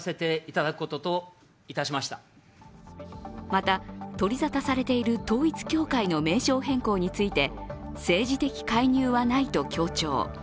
また、取り沙汰されている統一教会の名称変更について、政治的介入はないと強調。